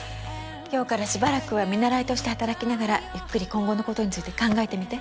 今日からしばらくは見習いとして働きながらゆっくり今後のことについて考えてみて。